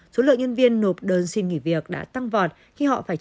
số lượng nhân viên nộp đơn xin nghỉ việc đã tăng vọt khi họ phải tránh đi